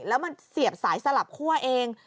แล้วมันเสียบสายสลับคั่วเอง